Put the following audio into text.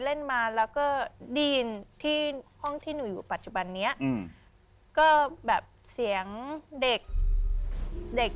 เล่นมาแล้วก็ได้ยินที่ห้องที่หนูอยู่ปัจจุบันนี้อืมก็แบบเสียงเด็กเด็ก